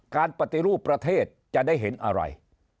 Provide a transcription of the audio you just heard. การปฏิรูปประเทศจะได้เห็นอะไร